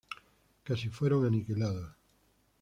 Casi fueron aniquilados.